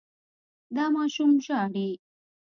دا ماشوم ژاړي.